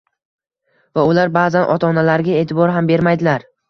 va ular ba’zan ota-onalariga e’tibor ham bermaydilar.